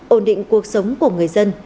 ổn định cuộc sống của người dân